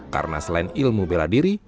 karena selain ilmu bela diri